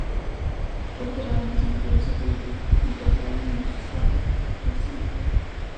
Fue enterrado en un cementerio cerca de Tikrit junto a Uday y Mustapha Hussein.